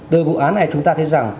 đối với vụ án này chúng ta thấy rằng